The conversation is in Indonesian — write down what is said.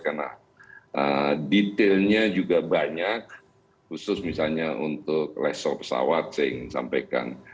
karena detailnya juga banyak khusus misalnya untuk lesor pesawat saya ingin sampaikan